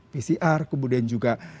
pcr kemudian juga